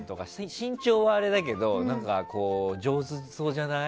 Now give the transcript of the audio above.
身長はあれだけど上手そうじゃない？